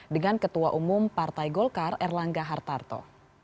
dengan ketua umum partai golkar erlangga hartarto